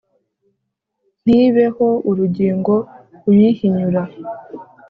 ntibeho urugingo uyihinyura